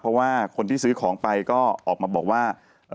เพราะว่าคนที่ซื้อของไปก็ออกมาบอกว่า